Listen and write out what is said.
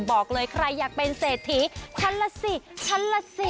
บอกเลยใครอยากเป็นเศรษฐีฉันล่ะสิฉันล่ะสิ